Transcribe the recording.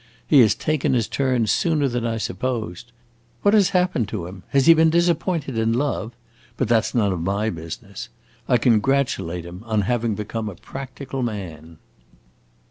He has taken his turn sooner than I supposed. What has happened to him? Has he been disappointed in love? But that 's none of my business. I congratulate him on having become a practical man."